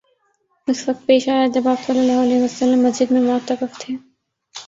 اس وقت پیش آیا جب آپ صلی اللہ علیہ وسلم مسجد میں معتکف تھے